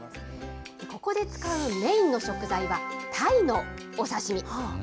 ここで使うメインの食材は、タイのお刺身。